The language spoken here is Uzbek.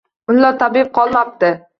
Mullo, tabib qolmabdi.